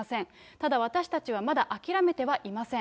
ただ私はまだ諦めてはいません。